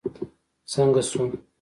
څنګه شو.